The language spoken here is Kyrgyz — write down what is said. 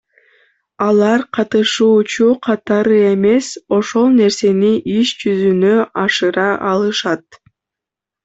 Алар катышуучу катары эмес, ошол нерсени иш жүзүнө ашыра алышат.